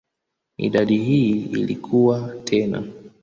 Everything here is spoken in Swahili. Idadi hii ilikua tena.